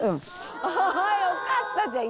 あよかったじゃん